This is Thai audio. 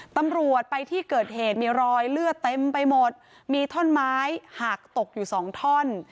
ตำรวจไปที่เกิดเหตุมีรอยเลือดเต็มไปหมดมีท่อนไม้หักตกอยู่สองท่อน